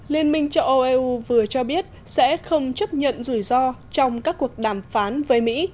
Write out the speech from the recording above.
liên minh châu âu eu vừa cho biết sẽ không chấp nhận rủi ro trong các cuộc đàm phán với mỹ